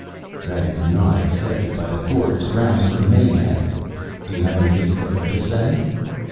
"That is not accepted by the Corps as grounds for mayhem. Do you have anything further to say?"